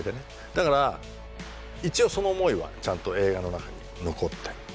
だから一応その思いはちゃんと映画の中に残って。